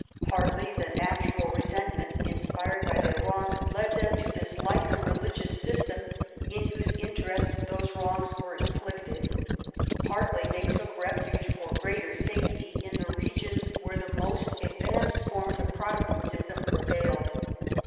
Partly the natural resentment inspired by their wrongs led them to dislike the religious system in whose interest those wrongs were inflicted; partly they took refuge for greater safety in the regions where the most advanced forms of Protestantism prevailed.